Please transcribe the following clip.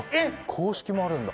硬式もあるんだ。